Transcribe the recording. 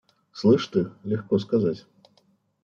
– Слышь ты, легко сказать.